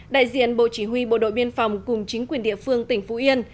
đại diện bộ chỉ huy bộ đội biên phòng cùng chính quyền địa phương tỉnh phú yên